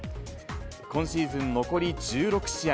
今シーズン残り１６試合。